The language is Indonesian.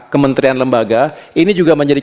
kementerian lembaga ini juga menjadi